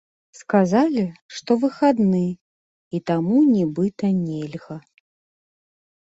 Сказалі, што выходны, і таму нібыта нельга.